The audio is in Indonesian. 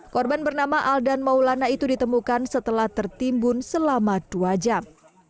korban bernama aldan maulana itu ditemukan setelah tertimbun selama dua jam